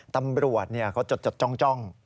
ตำรวจเขาจดจ้อง